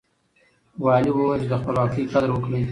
والي وويل چې د خپلواکۍ قدر وکړئ.